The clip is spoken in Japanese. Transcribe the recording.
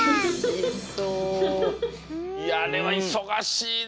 いやあれはいそがしいで。